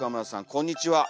こんにちは。